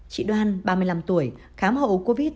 chị đoan ba mươi năm tuổi khám hậu covid